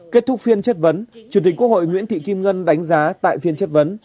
kết thúc phiên chất vấn chủ tịch quốc hội nguyễn thị kim ngân đánh giá tại phiên chất vấn